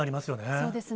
そうですね。